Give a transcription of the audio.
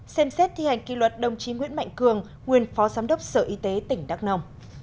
ba xem xét thi hành kỷ luật đồng chí nguyễn mạnh cường nguyên phó giám đốc sở y tế tỉnh đắk nông